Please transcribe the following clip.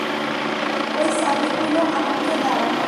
ওই চাবিগুলো আমাকে দাও!